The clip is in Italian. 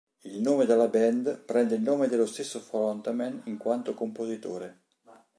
Il nome della band prende il nome dello stesso frontman in quanto compositore.